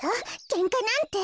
けんかなんて。